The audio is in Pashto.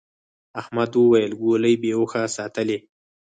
احمد وويل: گولۍ بې هوښه ساتلې.